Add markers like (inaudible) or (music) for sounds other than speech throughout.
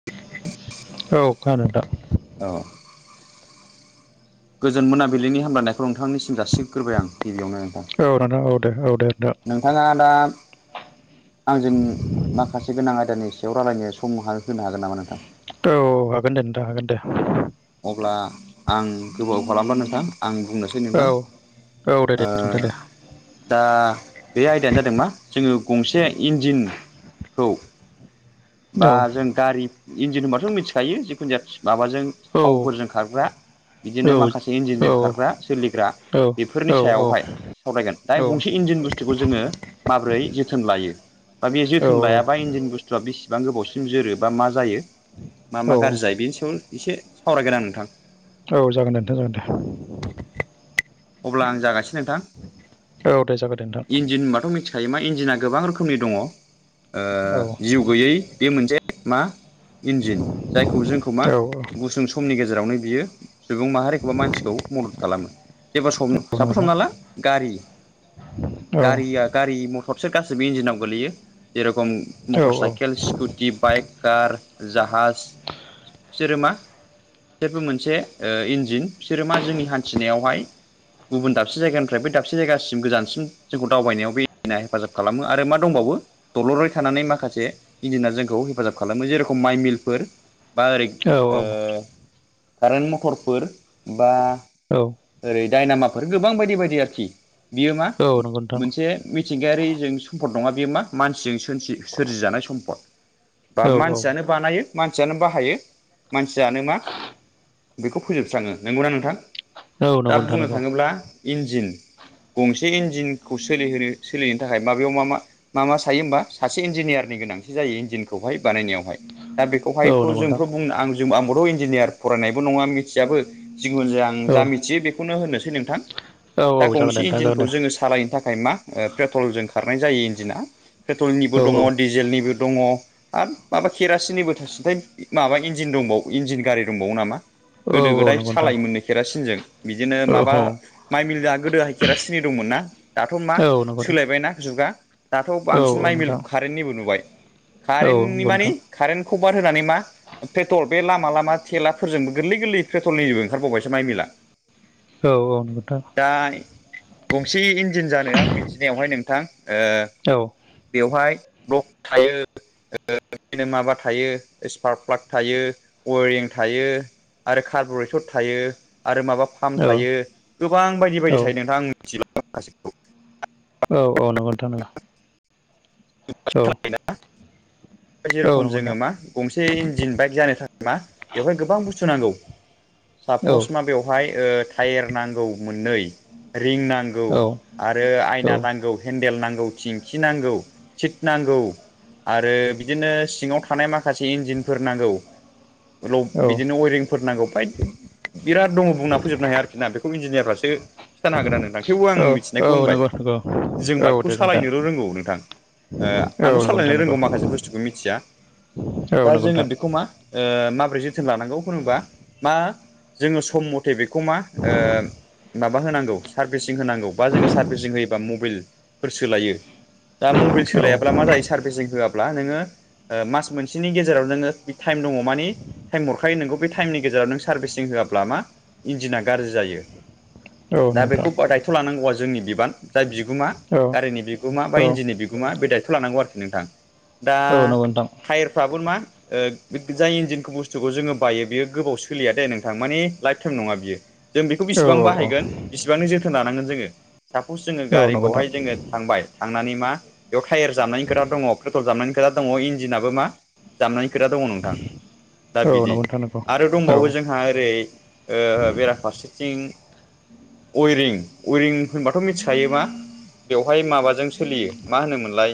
औ खोनादों नोंथां। आं। गोजोन मोनाबिलिनि हामलायनायखौ नोंथांनिसिम जासिग्रोबाय आं गिबियावनो नोंथां। औ नोंथां औ दे औ दे नोंथां। नोंथाङा दा आंजों माखासे गोनां आयदानि सायाव रायलायनो सम होनो हागोन नामा नोंथां? औ हागोन दे नोंथां हागोन दे। अब्ला आं गोबाव खालामला नोंथां। आं बुंनोसै औ नोंथां औ दे दे ओ नोंथां दे दा बे आयदाया जादों मा जोङो गंसे इन्जिन औ। बा औ जों गारि इन्जिन होनबाथ जों मिथिखायो जिखुनु जाया माबाजों औ थावफोरजों खारग्रा औ बिदिनो माखासे औ इन्जिनजों खारग्रा सोलिग्रा। औ बेफोरनि सायावहाय सावरायगोन दा गंसे इन्डिन बुस्थुखौ जोङो माबोरै जोथोन लायो बा बे जोथोन लायाबा बा इन्जिन बुस्थुआ बेसेबां गोबावसिम जोरो बा मा जायो मा औ मा गाज्रि जायो बेनि सायाव एसे सावरायगोन आरो नोंथां। औ जागोन दे नोंथां जागोन दे। अब्ला आं जागासिनो नोंथां। औ दे जागोन दे नोंथां इन्जिन होनबाथ' मिथि थायो मा इन्जिना गोबां रोखोमनि दङ ओ औ जिउ गैयै बे मोनसे मा इन्जिन जायखौ जोंखौ मा औ औ गुसुं स समनि गेजेरावनो बियो सुबुं माहारिखौबा मानसिखौ मदद खालामो जेबो सम नंगौ साफस नोंथां हमनाला गारि औ गारिया गारि मथ थरसे गासैबो इन्जिनाव गोगलैयो जेरेराव औ motor cycle scooty bike, car, जाहाज बिसोर मा बिसोरबो मोनसे ओ इन्जिन बिसोर मा जोंनि हान्थिनायावहाय गुबुन दाबसे जायगानिफ्राय बै दाबसे जायगासिम गोजानसिम जोंखौ दावबायनायाव बेना हेफाजाब खालामो आरो मा दंबावो दलरै थानानै माखासे इन्जिनार जोंखौ हेफाजाब खालामो जेरखम माइ मिलफोर बा ओरै औ ओ कारेन्ट मटरफोर बा औ। ओरै दडायनामाफोर गोबां बायदि बायदि आरोखि बियो मा औ नंगौ नोंथां मोनसे मिथिंगायारि जों सम्फद नङा बे मा मानसिजों सोर-सोरजिजानाय सम्पद। बा औ मानसियानो औ बानायो मानसियानो बाहायो मानसियानो मा बेखौ फोजोबस्राङो नंगौना नोंथां? दा नंगौ नोंथां बुंनो नंगौ थाङोब्ला इन्जिन। गंसे इन्जिनखौ सोलिहोनो सोलिनो थाखाय माबेयाव मा मा मा मा सायो होमबा सासे इन्जिनियारनि गोनांथि जायो इन्जिनखौहाय बानायनायावहाय दा बेखौहाय औ नंगौ नोंथां जोंथ' बुंनो आं आंबोथ' इन्जिनियार फरायनायबो नङा मिथियाब जिगुन जाया आं औ जा मि जि बेखौनो होनोसै नोंथां। औ दा औ जागोन दे गंसे नोंथां जागोन इनजिनखौ दे जोङो सा सालायनो थाखाय मा ओ पेट्रलजों खारनाय जायो इन्जिना औ पेट्रलनिबो दङ डिजेलनिबो दङ आरो माबा केरासिननिबो थासिन्थाय माबा इन्जिन दंबाव इन्जिन गारि दंबावो नामा औ गोदो औ गोदाय नंगौ नोंथां सालाय मोननो खेरासिनजों। बिदिनो औ माबा माइ मिला गोदोहाय खेरा सिनि दंमोन ना दाथ' मा औ नंगौ नोंथां सोलायबायना जुगा। दाथ' औ बांसिन माइ मिल नोंथां कारेन्निबो नुबाय। औ कारेेनटनि नंगौ मानि नोंथां कारेन्ट बाद होनानै मा पेट्रल बे लामा लामा थेलाफोरजोंबो गोरलै गोरलै पेट्रलनिबो ओंखारबावबायसो माइ मिला। औ औ नोथां दा गंसे इन्जिन जानो आं मिथिनायावहाय नोंथां ओ औ बेवहाय ब्लक थायो बिनो माबा थायो स्पार्क प्लाक थायो वेरिं थायो आरो कार्ब' एक्सड थायो आरो माबा फाम औ थायो गोबां बायदि औ बायदि थायो नोंथां आं मिथि (unintelligible) औ औ नंगौ नोथां नंगौ (inaudible) औ औ जेरखम नंगौ जोङो नोंथां मा गंसे इन्जिन बाइक जानो थाखाय मा बेवहाय गोबां बुस्थु नांगौ औ सापस मा बेवहाय ओ टायेर नांगौ मोननै। रिं नांगौ औ आरो आयना औ नांगौ हेन्देल नांगौ थिंखि नांगौ। सिट नांगौ आरो बिदिनो सिङाव थानाय माखासे इन्जिनफोर नांगौ। ल बिदिनो अेरिंफोर नांगौ बाइकजों बिराद दङ बुंना फोजोबनो हाया आरोखि ना बेखौ इन्जिनियारासो खिथानो हागोन नोंदां थेवबो आं औ औ मिसिनायखौ होनबाय नंगौ नंगौ जों औ दे बाइकखौ नोंथां सालायनो र' रोंगौ नोंथां। औ आंथ' नंगौ नोंथां सालायनो नंगौ रोंगौ माखासे बुस्थुखौ मिथिया। औ नंगौ नोंथां औ नंगौ नोंथां औ नंगौ नोंथां औ दा नंगौ जोङो नोंथां औ बेखौ मा माबोरै जोथोन लानांगौ होनबा मा जोङो सम मथे बेखौ मा ओ माबा होनांगौ सार्भिसिं होनांगौ बा जोङो सार्भिसिं होयोबा मबाइलफोर सोलायो। दा मबाइल सोलायाब्ला मा जायो सार्भिसिं होआब्ला नोङो ओ मास मोनसेनि गेजेराव नोङो बे टाइम दङ मानि टाइम हरखायो नोंगौ बे टाइमनि गेजेराव नों सार्भिसिं होआब्ला मा इन्जिना गाज्रि जायो। दा बेखौ दायथ' लानांगौआ जोंनि बिबान दा बिगोमा गारिनि बिगुमा बा इन्जिनि बि गुमा बे दायथ' लानांगौ आरोखि नोंथां। दा टायेरफ्राबो मा ओ जाय इन्जिनखौ बुस्थुखौ जोङो बायो बेयो गोबाव सोलिया दे नोंथां माने लाइफ टाइम नङा बियो। जों बेखौ बेसिबां बाहायगोन बेसिबांनि जोथोन लानांगोन जोङो। सापस जोङो गारिखौहाय जोङो थांबाय थांनानै मा बेयाव टायार जाबनायनि खोथा दङ पेट्रल जाबनायनि खोथा दङ इन्जिनाबो मा जामनायनि खोथा दङ नोंथां। दा बिदि, नंगौ नोंथां नंगौ आरो औ दंबावो जोंहा ओरै ओ बेरा फारसेथिं विरिं, विरिं होनबाथ' मिथिखायो मा बेवहाय माबाजों सोलियो। मा होनोमोनलाय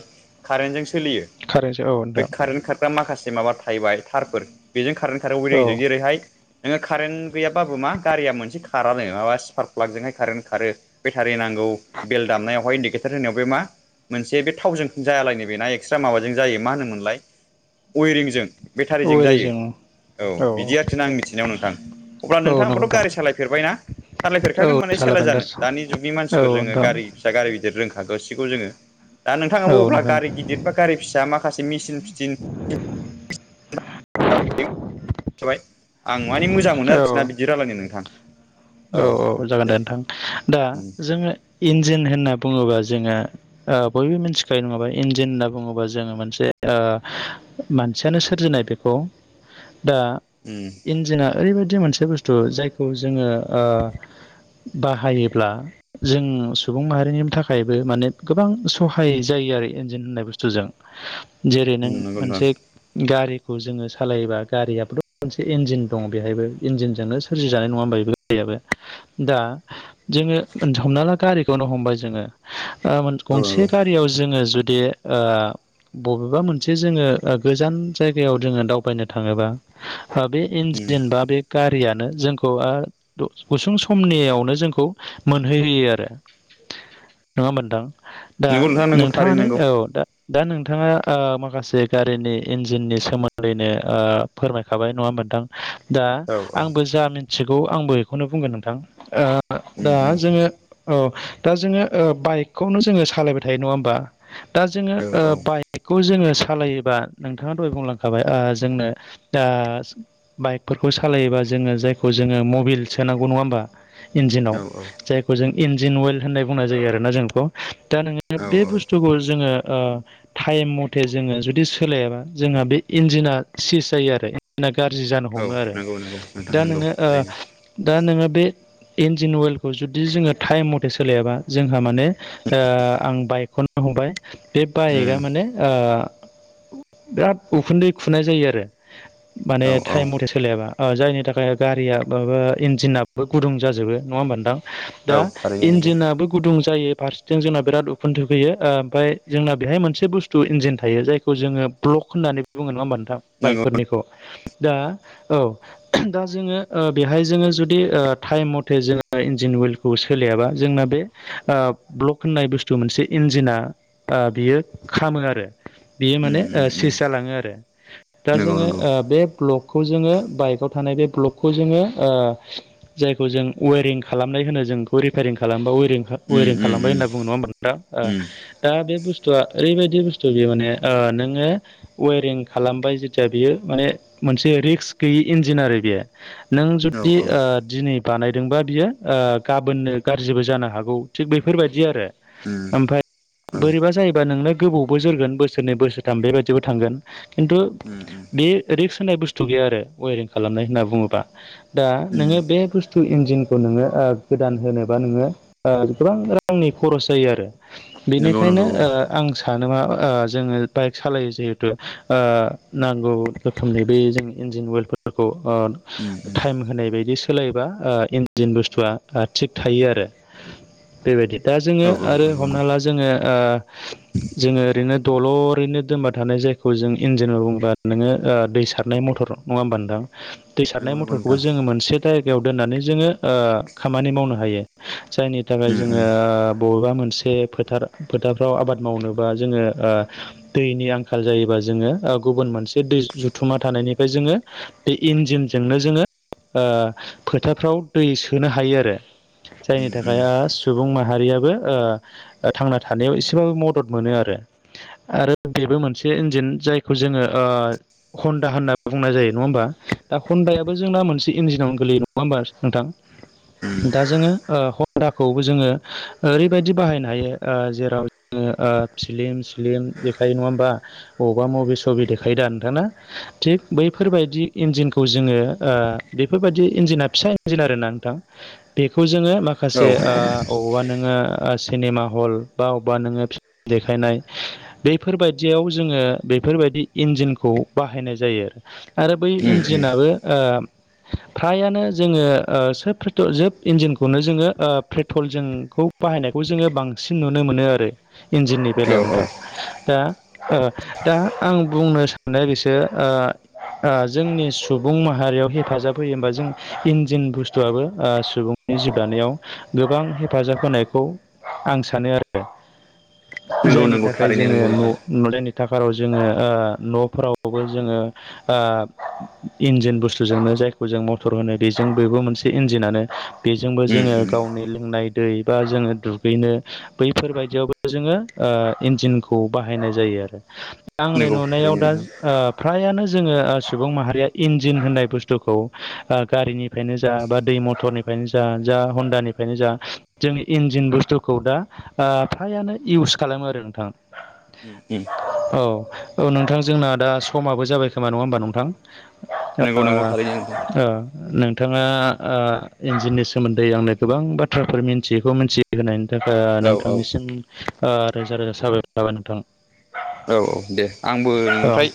कारेन्टजों सोलियो कारेन्टसो औ बे नोंथां कारेन्ट खा (unintelligible) माखासे माबा थाहबाय थारफोर बेजों खारो खारो औ जेरैहाय नोङो कारेन्ट गैयाबाबो मा गारिया मोनसे खारानो माबा स्पार्क प्लाकजोंहाय कारेन्ट खारो। बेटारि नांगौ बेल दामनायावहाय इन्डिकेटार होनायाव बे मा मोनसे बे थावजों जायालाय नै बेना एक्सट्रा माबाजों जायो मा होनोमोनलाय वेरिंजों बेटारिजों जायो ओरैजों औ बिदि आरोखि आं मिथिनायाव नोंथां अब्ला औ नोंथां नंगौ आबोथ' गारि सा सालायफेरबायना औ सालायफेरखागोन माने सालायबाय सोलाया जानो नोंथां दानि जुगनि औ मानसिफोर जोङो नोंथां गारि फिसा गारि गिदिर रोंखागासिगखौ जोङो दा नोंथाङाबाो औ अब्ला नोंथां गारि गिदिर बा गारि फिसा माखासे मेसिन फिसिन बाय आं माने मोजां औ मोनो आरोखि ना बिदि रायलायनो नोंथां औ औ जागोन दे नोंथां दा उम जोङो इन्जिन होनना बुङोबा जोङो ओ बयबो मिथिखायो नङाबा इन्जिन होनना बुङोबा जोङो मोनसे ओ मानसियानो सोरजिनाय बेखौ दा उम इन्जिना ओरैबायदि मोनसे बुस्थु जायखौ जोङो ओ बाहायोब्ला जों सुबुं माहारिनि थाखायबो माने गोबां सहाय जायो आरो इन्जिन होननाय बुस्थुजों (inaudible) जेरै नों नंगौ नोंथां मोनसे गारिखौ जोङो सालायोबा गारियाबोथ' मोनसे इन्जिन दं बेहायबो इन्जिनजोंनो सोरजिजानाय नङा होनबा बेबो गयाबो दा जोङो हमना ला गारिखौनो हमबाय जोङो ओ औ गंसे नंगौ गारियाव जोङो जुदि ओ बबेबा मोनसे जोङो ओ गोजान जायगायाव जोङो दावबायनो थाङोबा बे उम इन्जिन बा बे गारियानो जोंखौ ओ गुसुं समनियावनो जोंखौ मोनहैहोयो आरो नङा होनबा नोंथां दा नंगौ नोंथां नंगौ थारैनो नोंथाङानो नंगौ औ दा दा नोंथाङा ओ माखासे गारिनि इन्जिननि सोमोन्दैनो ओ फोरमायखाबाय नङा नोथां दा औ औ आंबो जा मिथिगौ आंबो बेखौनो बुंगोन नोंथां ओ उम दा उम जोङो ओ दा जोङो ओ बाइकखौनो जोङो सालायबाय थायो नङा होमबा दा जोङो औ ओ औ बाइक बाइकखौ जोङो सालायोबा नोंथाङा दहाय बुंलांखाबाय ओ जोंनो दा बाइकफोरखौ सालायोबा जोङो जायखौ जोङो मबाइल सोनांगौ नङा होमबा इन्जिनाव औ जाय खौ जों इन्जिन अइेल होननाय बुंनाय जायो आरोना जों बेखौ दा नोङो औ बे औ बुस्थुखौ जोङो ओ टाइम मथे जोङो जुदि सोलायाबा जोंहा बे इन्जिना सिस जायो आरो ना गाज्रि जानो औ हमो आरो नंगौ नंगौ नोंथां दा नंगौ नोङो ओ थारैनो दा नोङो बे इन्जिन अेलखौ जुदि जोङो टाइम मथे सोलायाबा जोंहा माने ओ आं बाइकखौ हमबाय बे उम बाइकआ माने ओ बिराद उखुन्दै खुनाय जायो आरो माने औ औ टाइम मथे स सोलायाबा जायनि थाखाय गारिया माबा इन्जिनाबो गुदुं जाजोबो नङा होमबा नोंथां। औ दा थारैनो इन्जिनाबो गुदुं जायो फारसेथिं जोंना बिराद उखुथोफैयो ओमफफ्राय जोंना बेहाय मोनसे बुस्थु इन्जिन थायो जायखौ जोङो। ब्लक होननानै बुङो नङा हमबाय नोंथां नंगौ बाइकफोरनिखौ दा औ दा जोङो ओ बेहाय जोङो जुदि ओ टाइम मथे जों इन्जिन उइलखौ सोलायाबा जोंना बे ओ ब्लक होननाय बुस्थु मोनसे इन्जिना ओ बियो खामो आरो बियो माने उम उम ओ उम सिस जालाङो आरो दा नंगौ जोङो नंगौ बे ब्लक खौ जोङो बाइकआव थानाय बे ब्लकखौ जोङो ओ जायखौ जों वेरिं खालामनाय होनो जों बेखौ रिफेरारिं खालामबावो वेरिं उम वेरिं उम खालामबाय होनना बुं उम नङा होमबा नोंथां उम ओ दा बे बुस्थुआ ओरैबायदि बुस्थु बेयो माने ओ नोङो वेरिं खालामबाय जेथिया बियो माने मोनसे रिक्स गैयि इन्जिन आरो बेयो नों औ जुदि ओ दिनै बानायदोंबा बियो ओ गाबोननो गाज्रिबो जानो हागौ थिग बेफोरबायदि आरो उम ओमफ्राय औ बोरैबा जायोबा नोंनो गोबावबो जोरोगोन बोसोरनै बोसोरथाम बेबायाददिबो थांगोन खिन्थु उम उम बे रिक्स होननाय बुस्थु गैया आरो वेरिं खालामनाय होनना बुङोबा दा उम नोङो बे बुस्थु इन्जिनखौ नोङो ओ गोदान होनोबा नोङो ओ गोबां रांनि खरस जायो आरो नंगौ बेनिखायनो नंगौ औ आं सानो मा ओ जोंङो बाइक सालायो जिहेथु ओ नांगौ रोखोमनि बे जों इन्जिन वेलफोरखौ ओ उम उम टाइम होनाय बायदि सोलायबा ओ इन्जिन बुस्थुआ थिग थायो औ आरो। बेबायदि दा जोंङो औ औ आरो नंगौ हमना ला जोंङो ओ जोंङो ओरैनो दलर ओरैनो दोनबा थानाय जायखौ जों इन्जिन बुंबा नोंङो ओ दै सारनाय मटर नङा होमबा नोंथां दै सारनाय नंगौ नंगौ खौबो नोंथां जोंङो मोनसे जायगायाव दोननानै जोंङो ओ खामानि मावनो हायो जायनि थाखाय उम जोंङो उम ओ बबेबा मोनसे फोथार फोथारफ्राव आबाद मावनोबा जोंङो ओ दैनि आंखाल जायोबा जोंङो ओ गुबुन मोनसे दै जुथुमा थानायनिफ्राय जोंङो बे इन्जिनजोंनो जोंङो ओ फोथारफ्राव दै सोनो हायो आरो जायनि उम उम उम थाखाय औ ओ सुबुं माहारियाबो ओ थांना थानायाव एसेबाबो मदद मोनो आरो। आरो बेबो मोनसे इन्जिन जायखौ जोंङो हन्दा होनना बुंनाय जायो नङा होमबा दा हन्दाया जोंना मोनसे इन्जिनावनो गोलैयो नङा होमबा नोंथां? उम उम दा जोंङो ओ हन्दाखौबो जोंङो ओरैबायदि बाहायनो हायो ओ जेराव उम आ फ्लिम सिलिम देखायो नङा होमबा? बबावबा मुभि सभि देखायोदा नोंथाङा थिग बैफोरबायदि इन्जिनखौ जोंङो ओ बेफोरबायदि इन्जिना फिसा इन्जिन आरोना नोंथां बेखौ जोंङो माखासे औ ओ अबावबा नोंङो सिनेमा हल बा अबावबा नोंङो फ्लिम देखायनाय बेफोरबायदियाव जोंङो बेफोरबायदि इन्जिनखौ बाहायनाय जायो। आरो बै इन्जिनाबो ओ फ्रायानो जोंङो ओ सोब पेट्रल जोब इन्जिनखौनो जोंङो ओ पेट्रल जोंखौ बाहायनायखौ जोंङो बांसिन नुनो मोनो आरो इन्जिननि बेलायाव औ नोंथां दा ओ दा आं बुंनो सानो बिसोर ओ ओ जोंनि सु बुं माहारियाव हेफाजाब होयो होमबा जों इन्जिन बुस्थुआबो ओ सुबुंनि जिउ दानायाव गोबां हेफाजाब होनायखौ आं सानो आरो। नंगौ जायनि नंगौ थाखाय थारैनो जोंङो नंगौ न नोंथां नुलायनो थाखाराव जोंङो ओ न'फोरावबो जोंङो ओ इन्जिन बुस्थुजोंनो जायखौ जों मटर होनो बेजों मोनसे इन्जिनानो। बेजोंबो उम जोंङो उम गावनि लोंनाय दै बा जोंङो दुगैनो बैफोरबायदियावबो जोंङो ओ इन्जिनखौ बाहायनाय जायो आरो। आंनि नंगौ नुनायाव थारैनो दा नोंथां ओ फ्रायानो जोंङो सुबुं माहारिया इन्जिन होननाय बुस्थुखौ ओ गारिनिफ्रायनो जा बा दै मथरनिफ्रायनो जा जा हन्दानि बेनोजा जोंनि इन्जिन बुस्थुखौ दा ओ फ्रायानो इउस खालामो आरो नोंथां। उम उम औ औ नोंथां जोंना दा समाबो जाबाय खोमा नङा होमबा नोंथां? नंगौ ओ नांगौ थारै नोंथां। ओ नोंथाङा ओ इन्जिननि सोमोन्दै आंनो गोबां बाथ्राफोर मिथियैखौ मिथि मिनथि होनायनि थाखाय औ औ नोंथांनिसिम ओ रोजा रोजा साबायखर थाबाय नोंथां। औ दे आंबो औ नोंनिफ्राय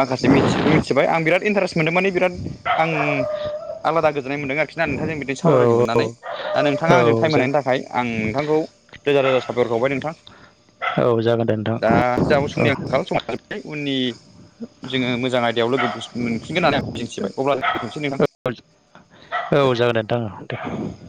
माखासे मिथियैखौ मिथिबाय आं बिराद इन्टारेस्ट मोनदों माने बिराद आं आलादा गोजोननाय मोन्दों आरोखि ना नोंथां जों बिदिनो औ सावरायलायनो मोन्नानै। औ दा नोंथाङा आंजों औ टाइम जागोन होनायनि थाखाय आं नोंथांखौ रोजा रोजा साबायखर बावबाय नोंथां। औ जागोन दे दा नोंथां। जोंहाबो औ (unintelligible) उननि जोंङो मोजां आयदायाव लोगो मोनफिनगोन आरो आं मिजिंथिबाय अब्ला लोगो दोनथनोसै नोंथां। औ औ जागोन दे नोंथां।